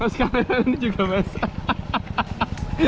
mas kameramen juga basah